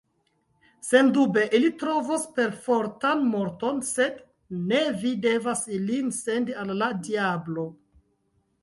Sendube, ili trovos perfortan morton, sed ne vi devas ilin sendi al la diablo.